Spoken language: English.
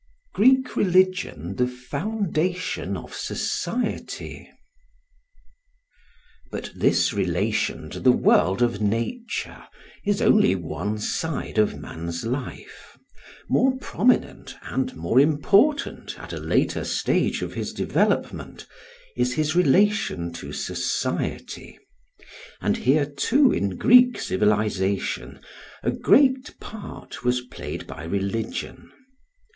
Greek Religion the Foundation of Society. But this relation to the world of nature is only one side of man's life; more prominent and more important, at a later stage of his development, is his relation to society; and here too in Greek civilization a great part was played by religion.